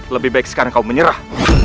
lebih baik sekarang kau menyerah